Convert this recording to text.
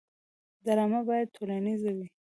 ډرامه باید ټولنیزه وي